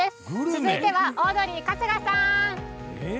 続いてはオードリー、春日さん！